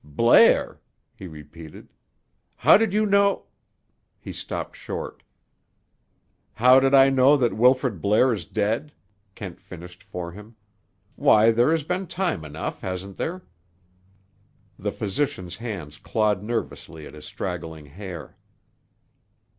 "Blair!" he repeated. "How did you know—" He stopped short. "How did I know that Wilfrid Blair is dead?" Kent finished for him. "Why, there has been time enough, hasn't there?" The physician's hands clawed nervously at his straggling hair.